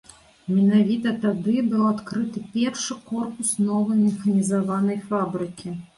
Менавіта тады быў адкрыты першы корпус новай механізаванай фабрыкі.